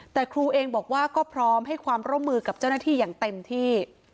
แต่ครูเองบอกว่าก็พร้อมให้ความร่วมมือกับเจ้าหน้าที่อย่างเต็มที่